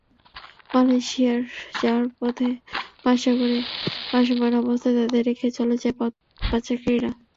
মালয়েশিয়ায় যাওয়ার পথে মাঝসাগরে ভাসমান অবস্থায় তাঁদের রেখে চলে যায় পাচারকারীরা।